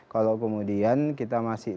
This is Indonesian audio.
kalau kemudian kita masih